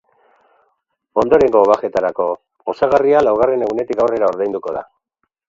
Ondorengo bajetarako, osagarria laugarren egunetik aurrera ordainduko da.